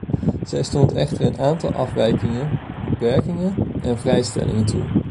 Zij stond echter een aantal afwijkingen, beperkingen en vrijstellingen toe.